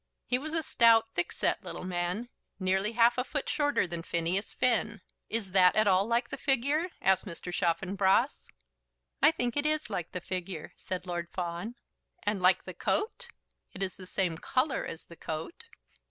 He was a stout, thick set little man, nearly half a foot shorter than Phineas Finn. "Is that at all like the figure?" asked Mr. Chaffanbrass. "I think it is like the figure," said Lord Fawn. "And like the coat?" "It's the same colour as the coat."